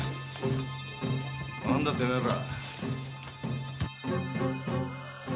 何だてめえら。